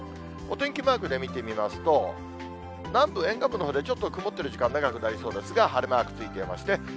お天気マークで見てみますと、南部、沿岸部のほうでちょっと曇ってる時間、長くなりそうですが、晴れマークついていますね。